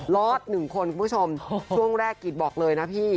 รอดหนึ่งคนคุณผู้ชมช่วงแรกกิจบอกเลยนะพี่